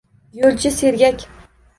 Yo’lchi sergak